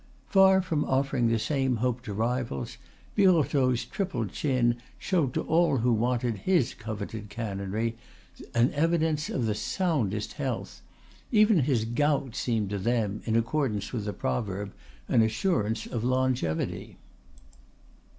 Far from offering the same hopes to rivals, Birotteau's triple chin showed to all who wanted his coveted canonry an evidence of the soundest health; even his gout seemed to them, in accordance with the proverb, an assurance of longevity.